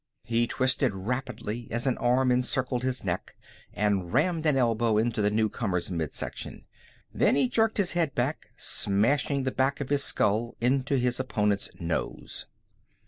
He twisted rapidly as an arm encircled his neck, and rammed an elbow into the newcomer's midsection. Then he jerked his head back, smashing the back of his skull into his opponent's nose.